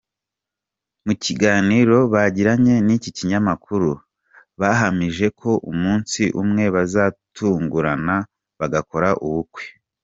Mu kiganiro bagiranye n’iki kinyamakuru bahamije ko umunsi umwe bazatungurana bagakora ubukwe.